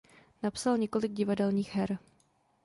Napsal několik divadelních her.